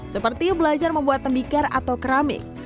seperti belajar membuat tembikar atau keramik